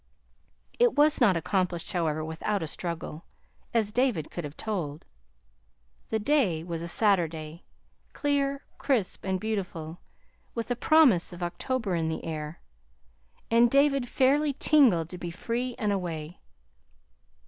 It was not accomplished, however, without a struggle, as David could have told. The day was a Saturday, clear, crisp, and beautiful, with a promise of October in the air; and David fairly tingled to be free and away.